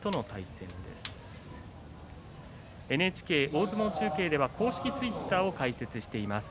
ＮＨＫ大相撲中継では公式ツイッターを開設しています。